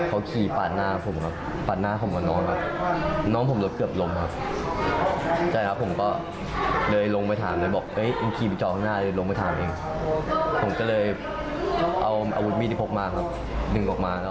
เขาขี่ปาดหน้าผมครับปาดหน้าของคุณเรนอ๋อ